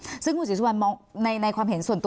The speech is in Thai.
อืมซึ่งผู้สิจุบันมองในในความเห็นส่วนตัว